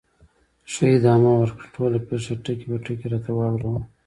ښه، ادامه ورکړه، ټوله پېښه ټکي په ټکي راته واوره وه.